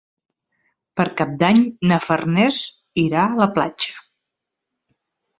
Per Cap d'Any na Farners irà a la platja.